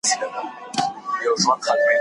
نړيوالو قوانينو هم دا حقوق په رسميت پيژندلي دي.